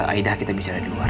aidah kita bicara di luar